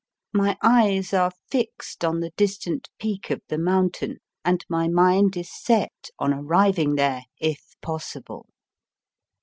My eyes are fixed on the distant peak of the mountain, and my mind is set on arriving there if possible.